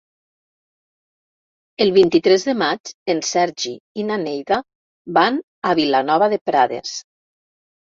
El vint-i-tres de maig en Sergi i na Neida van a Vilanova de Prades.